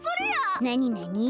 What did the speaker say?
なになに？